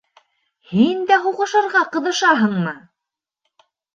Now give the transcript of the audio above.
— Һин дә һуғышырға ҡыҙышаһыңмы?